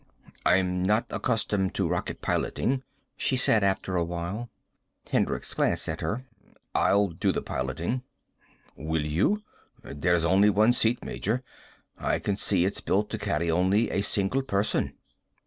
"I'm not accustomed to rocket piloting," she said, after awhile. Hendricks glanced at her. "I'll do the piloting." "Will you? There's only one seat, Major. I can see it's built to carry only a single person."